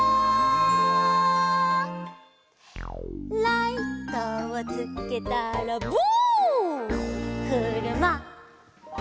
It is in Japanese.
「ライトをつけたらブーンくるま」